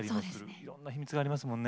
いろんな秘密がありますもんね。